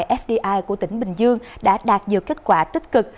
và các đoàn fdi của tỉnh bình dương đã đạt nhiều kết quả tích cực